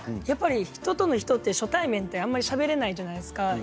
やっぱり人と人って初対面ってあんまりしゃべれないじゃないですか。